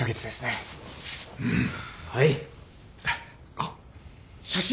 あっ写真。